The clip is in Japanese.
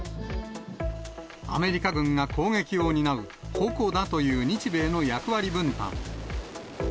アメリカ軍が攻撃を担う矛だという、日米の役割分担。